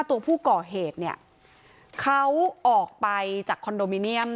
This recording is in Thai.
ตัวผู้ก่อเหตุเนี่ยเขาออกไปจากคอนโดมิเนียม